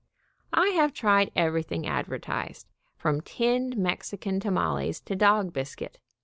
I have tried everything adver tised, from tinned Mexican tamales to dog biscuit.